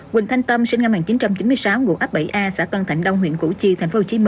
quỳnh thanh tâm sinh năm một nghìn chín trăm chín mươi sáu ngụ ấp bảy a xã tân thạnh đông huyện củ chi tp hcm